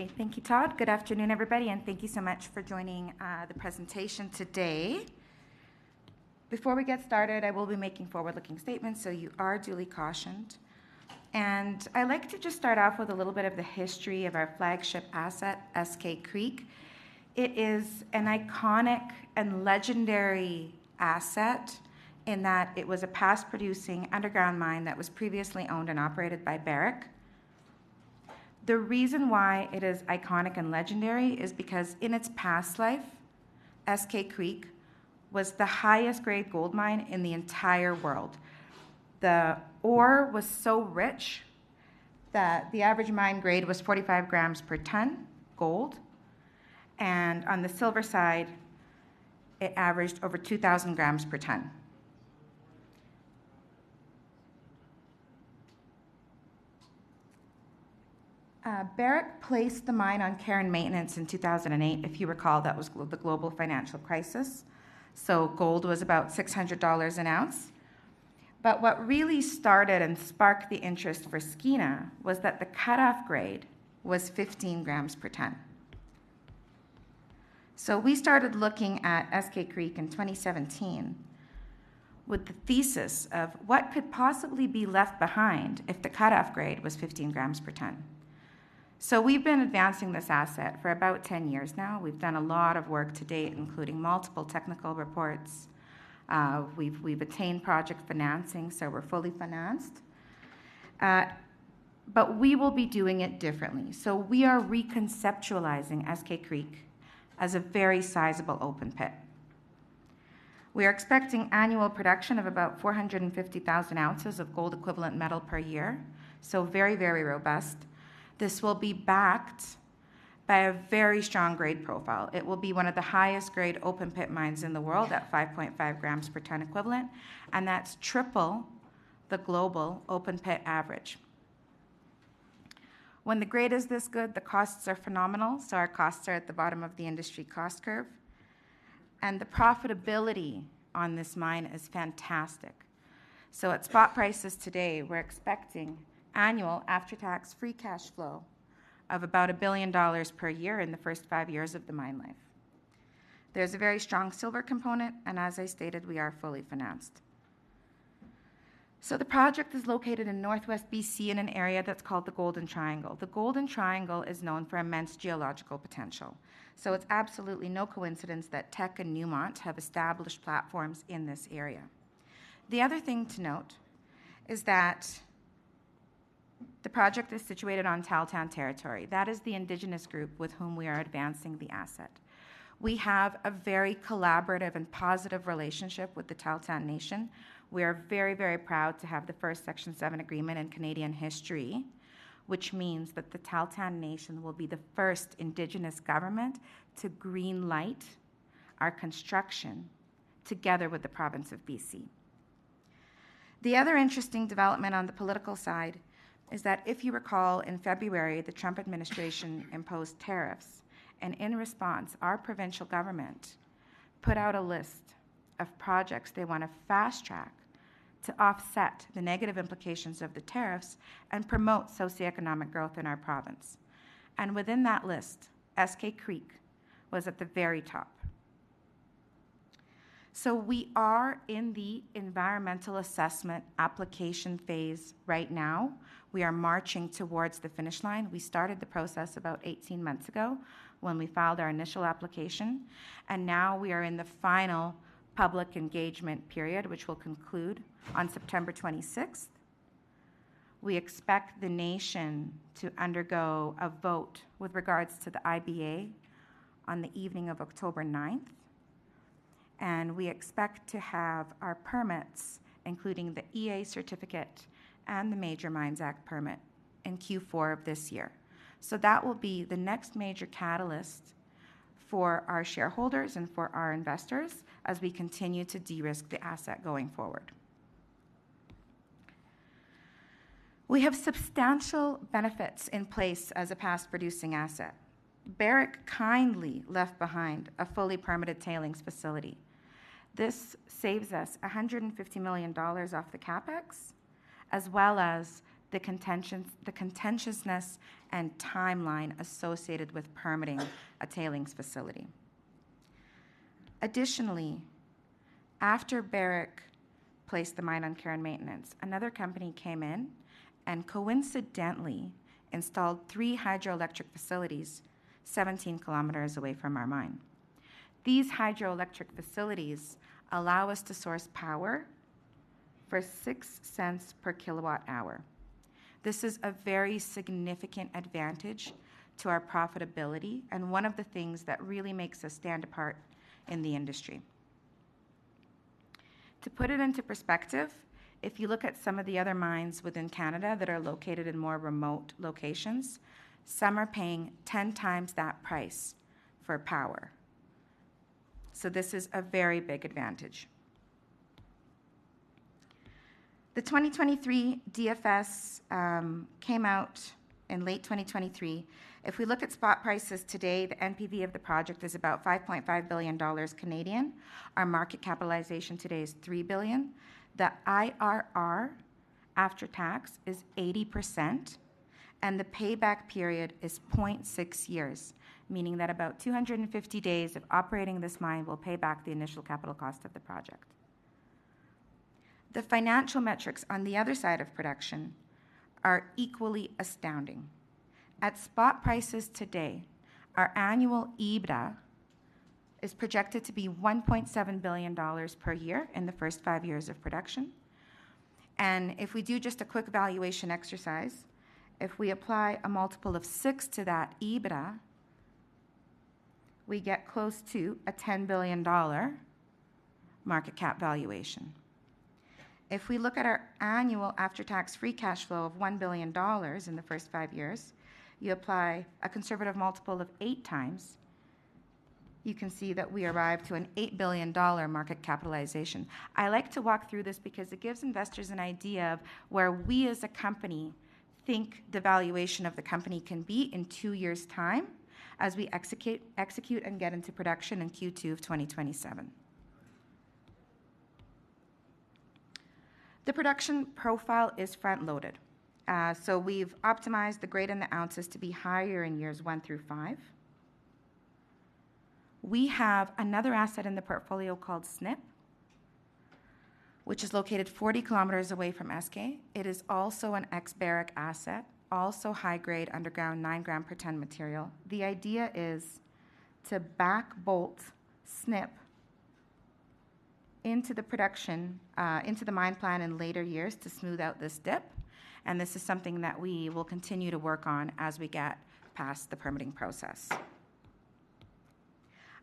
Okay, thank you, Todd. Good afternoon, everybody, and thank you so much for joining the presentation today. Before we get started, I will be making forward-looking statements, so you are duly cautioned. I’d like to just start off with a little bit of the history of our flagship asset, Eskay Creek. It is an iconic and legendary asset in that it was a past-producing underground mine that was previously owned and operated by Barrick. The reason why it is iconic and legendary is because, in its past life, Eskay Creek was the highest-grade gold mine in the entire world. The ore was so rich that the average mine grade was 45 grams per ton gold, and on the silver side, it averaged over 2,000 grams per ton. Barrick placed the mine on care and maintenance in 2008. If you recall, that was the global financial crisis, so gold was about $600 an ounce. But what really started and sparked the interest for Skeena was that the cutoff grade was 15 grams per ton. So we started looking at Eskay Creek in 2017 with the thesis of what could possibly be left behind if the cutoff grade was 15 grams per ton. So we've been advancing this asset for about 10 years now. We've done a lot of work to date, including multiple technical reports. We've attained project financing, so we're fully financed. But we will be doing it differently. So we are reconceptualizing Eskay Creek as a very sizable open pit. We are expecting annual production of about 450,000 ounces of gold-equivalent metal per year, so very, very robust. This will be backed by a very strong grade profile. It will be one of the highest-grade open-pit mines in the world at 5.5 grams per ton equivalent, and that's triple the global open-pit average. When the grade is this good, the costs are phenomenal, so our costs are at the bottom of the industry cost curve, and the profitability on this mine is fantastic. At spot prices today, we're expecting annual after-tax free cash flow of about $1 billion per year in the first five years of the mine life. There's a very strong silver component, and as I stated, we are fully financed. The project is located in northwest B.C. in an area that's called the Golden Triangle. The Golden Triangle is known for immense geological potential, so it's absolutely no coincidence that Teck and Newmont have established platforms in this area. The other thing to note is that the project is situated on Tahltan territory. That is the Indigenous group with whom we are advancing the asset. We have a very collaborative and positive relationship with the Tahltan Nation. We are very, very proud to have the first Section 7 agreement in Canadian history, which means that the Tahltan Nation will be the first Indigenous government to greenlight our construction together with the province of BC. The other interesting development on the political side is that, if you recall, in February, the Trump administration imposed tariffs, and in response, our provincial government put out a list of projects they want to fast-track to offset the negative implications of the tariffs and promote socioeconomic growth in our province, and within that list, SK Creek was at the very top. We are in the environmental assessment application phase right now. We are marching towards the finish line. We started the process about 18 months ago when we filed our initial application, and now we are in the final public engagement period, which will conclude on September 26th. We expect the nation to undergo a vote with regards to the IBA on the evening of October 9th, and we expect to have our permits, including the EA certificate and the Major Mines Act permit, in Q4 of this year. That will be the next major catalyst for our shareholders and for our investors as we continue to de-risk the asset going forward. We have substantial benefits in place as a past-producing asset. Barrick kindly left behind a fully permitted tailings facility. This saves us 150 million dollars off the CapEx, as well as the contentiousness and timeline associated with permitting a tailings facility. Additionally, after Barrick placed the mine on care and maintenance, another company came in and coincidentally installed three hydroelectric facilities 17 kilometers away from our mine. These hydroelectric facilities allow us to source power for 0.06 per kilowatt-hour. This is a very significant advantage to our profitability and one of the things that really makes us stand apart in the industry. To put it into perspective, if you look at some of the other mines within Canada that are located in more remote locations, some are paying 10 times that price for power. So this is a very big advantage. The 2023 DFS came out in late 2023. If we look at spot prices today, the NPV of the project is about 5.5 billion Canadian dollars. Our market capitalization today is $3 billion. The IRR after-tax is 80%, and the payback period is 0.6 years, meaning that about 250 days of operating this mine will pay back the initial capital cost of the project. The financial metrics on the other side of production are equally astounding. At spot prices today, our annual EBITDA is projected to be $1.7 billion per year in the first five years of production. And if we do just a quick evaluation exercise, if we apply a multiple of 6 to that EBITDA, we get close to a $10 billion market cap valuation. If we look at our annual after-tax free cash flow of $1 billion in the first five years, you apply a conservative multiple of eight times, you can see that we arrive to an $8 billion market capitalization. I like to walk through this because it gives investors an idea of where we as a company think the valuation of the company can be in two years' time as we execute and get into production in Q2 of 2027. The production profile is front-loaded, so we've optimized the grade and the ounces to be higher in years one through five. We have another asset in the portfolio called Snip, which is located 40 kilometers away from Eskay. It is also an ex-Barrick asset, also high-grade underground nine gram per ton material. The idea is to back bolt Snip into the mine plan in later years to smooth out this dip. And this is something that we will continue to work on as we get past the permitting process.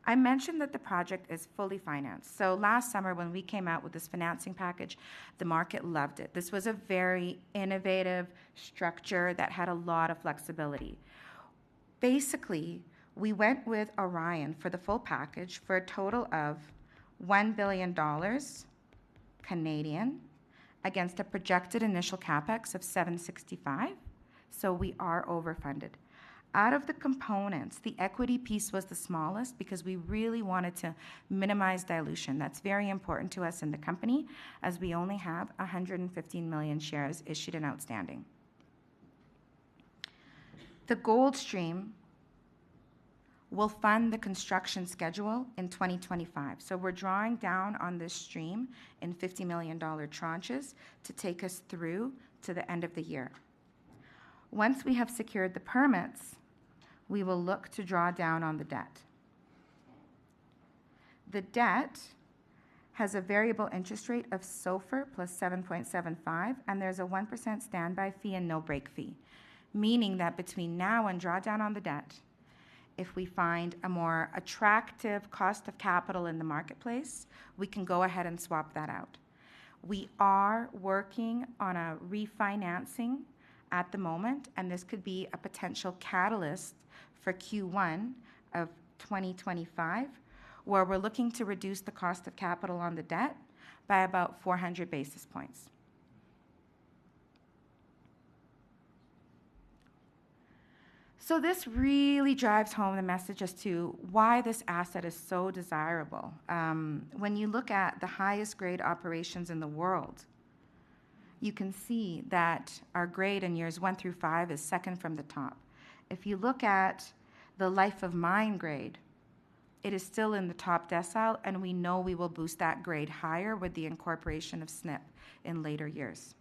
I mentioned that the project is fully financed. So last summer, when we came out with this financing package, the market loved it. This was a very innovative structure that had a lot of flexibility. Basically, we went with Orion for the full package for a total of 1 billion Canadian dollars against a projected initial CapEx of 765 million, so we are overfunded. Out of the components, the equity piece was the smallest because we really wanted to minimize dilution. That's very important to us in the company as we only have 115 million shares issued and outstanding. The gold stream will fund the construction schedule in 2025, so we're drawing down on this stream in 50 million dollar tranches to take us through to the end of the year. Once we have secured the permits, we will look to draw down on the debt. The debt has a variable interest rate of SOFR plus 7.75%, and there's a 1% standby fee and no break fee, meaning that between now and drawdown on the debt, if we find a more attractive cost of capital in the marketplace, we can go ahead and swap that out. We are working on a refinancing at the moment, and this could be a potential catalyst for Q1 of 2025, where we're looking to reduce the cost of capital on the debt by about 400 basis points. This really drives home the message as to why this asset is so desirable. When you look at the highest-grade operations in the world, you can see that our grade in years one through five is second from the top. If you look at the life-of-mine grade, it is still in the top decile, and we know we will boost that grade higher with the incorporation of SNIP in later years.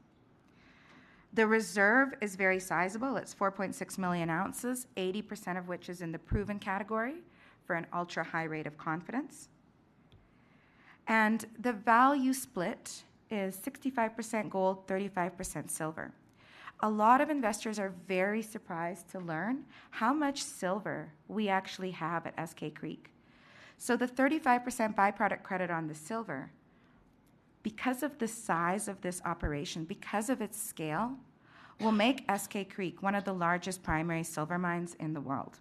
The reserve is very sizable. It's 4.6 million ounces, 80% of which is in the proven category for an ultra-high rate of confidence. And the value split is 65% gold, 35% silver. A lot of investors are very surprised to learn how much silver we actually have at SK Creek. So the 35% byproduct credit on the silver, because of the size of this operation, because of its scale, will make SK Creek one of the largest primary silver mines in the world.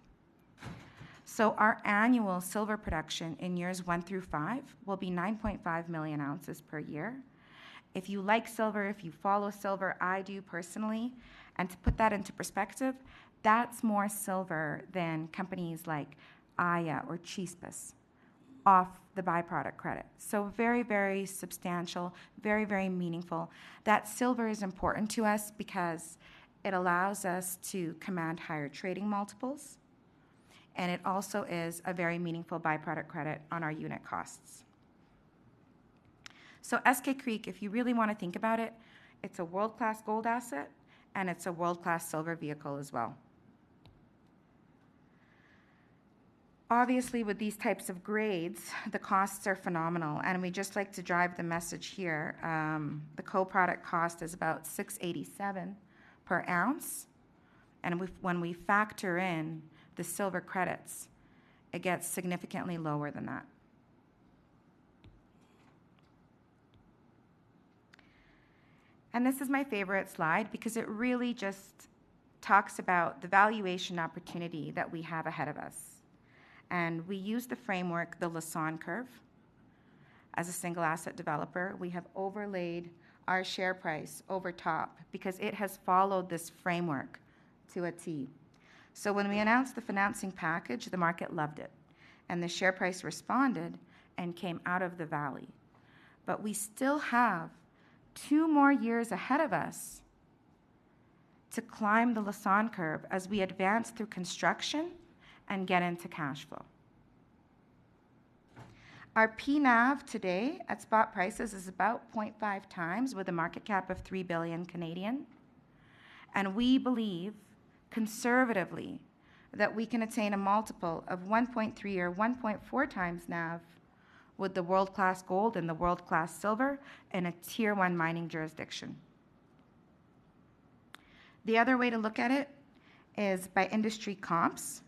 So our annual silver production in years 1 through 5 will be 9.5 million ounces per year. If you like silver, if you follow silver, I do personally. And to put that into perspective, that's more silver than companies like Aya or Las Chispas off the byproduct credit. So very, very substantial, very, very meaningful. That silver is important to us because it allows us to command higher trading multiples, and it also is a very meaningful byproduct credit on our unit costs. So SK Creek, if you really want to think about it, it's a world-class gold asset, and it's a world-class silver vehicle as well. Obviously, with these types of grades, the costs are phenomenal, and we just like to drive the message here. The co-product cost is about 687 per ounce, and when we factor in the silver credits, it gets significantly lower than that. And this is my favorite slide because it really just talks about the valuation opportunity that we have ahead of us. We use the framework, the Lassonde Curve, as a single asset developer. We have overlaid our share price over top because it has followed this framework to a T. So when we announced the financing package, the market loved it, and the share price responded and came out of the valley. But we still have two more years ahead of us to climb the Lassonde Curve as we advance through construction and get into cash flow. Our PNAV today at spot prices is about 0.5 times with a market cap of 3 billion. And we believe conservatively that we can attain a multiple of 1.3 or 1.4 times NAV with the world-class gold and the world-class silver in a tier-one mining jurisdiction. The other way to look at it is by industry comps.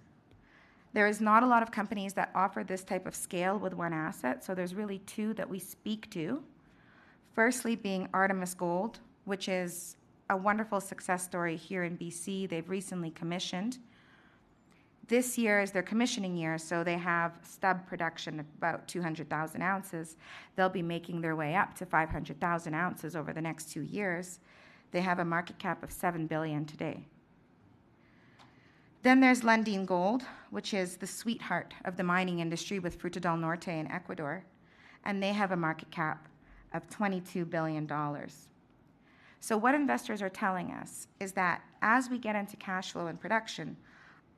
There is not a lot of companies that offer this type of scale with one asset, so there's really two that we speak to. Firstly, being Artemis Gold, which is a wonderful success story here in BC. They've recently commissioned. This year is their commissioning year, so they have stub production of about 200,000 ounces. They'll be making their way up to 500,000 ounces over the next two years. They have a market cap of $7 billion today. Then there's Lundin Gold, which is the sweetheart of the mining industry with Fruta del Norte in Ecuador, and they have a market cap of $22 billion. So what investors are telling us is that as we get into cash flow and production,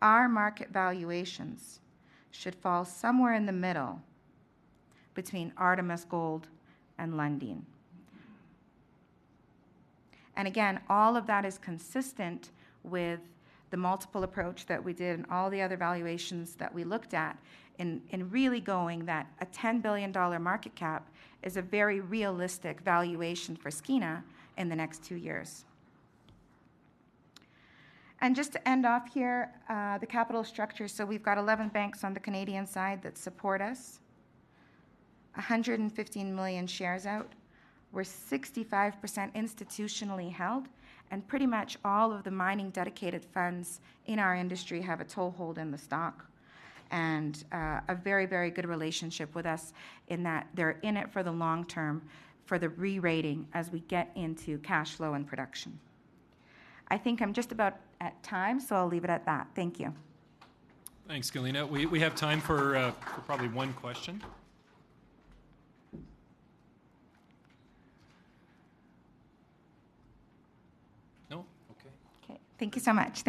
our market valuations should fall somewhere in the middle between Artemis Gold and Lundin. And again, all of that is consistent with the multiple approach that we did and all the other valuations that we looked at, in really going that a $10 billion market cap is a very realistic valuation for Skeena in the next two years. And just to end off here, the capital structure. So we've got 11 banks on the Canadian side that support us, 115 million shares out. We're 65% institutionally held, and pretty much all of the mining dedicated funds in our industry have a toehold in the stock and a very, very good relationship with us in that they're in it for the long term for the re-rating as we get into cash flow and production. I think I'm just about at time, so I'll leave it at that. Thank you. Thanks, Galina. We have time for probably one question. No? Okay. Okay. Thank you so much.